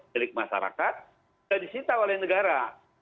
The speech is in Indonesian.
tidak disita oleh negara